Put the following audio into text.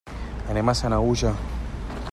Anem a Sanaüja.